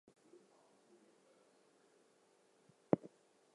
Fluff pulp is used in diapers, feminine hygiene products and nonwovens.